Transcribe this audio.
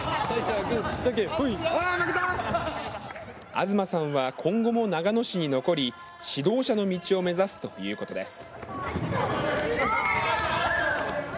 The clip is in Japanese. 東さんは今後も長野市に残り指導者の道を目指すということです。